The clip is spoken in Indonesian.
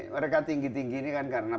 mereka tinggi tinggi ini kan karena